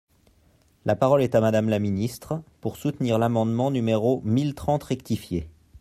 La parole est à Madame la ministre, pour soutenir l’amendement numéro mille trente rectifié.